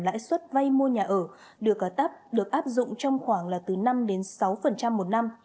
lãi suất vay mua nhà ở được áp dụng trong khoảng từ năm sáu một năm